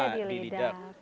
iya di lidak